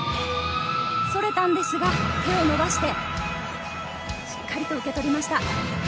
それたのですが手を伸ばして、しっかり受け取りました。